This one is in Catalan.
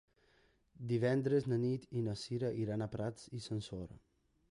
Divendres na Nit i na Sira iran a Prats i Sansor.